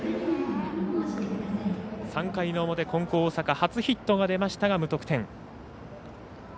３回の表、金光大阪初ヒットが出ましたが、無得点。